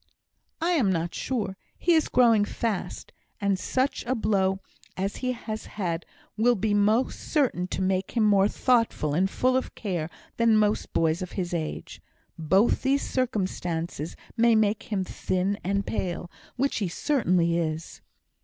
"I am not sure. He is growing fast; and such a blow as he has had will be certain to make him more thoughtful and full of care than most boys of his age; both these circumstances may make him thin and pale, which he certainly is."